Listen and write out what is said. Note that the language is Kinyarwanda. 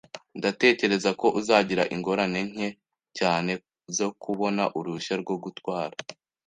Ndatekereza ko uzagira ingorane nke cyane zo kubona uruhushya rwo gutwara.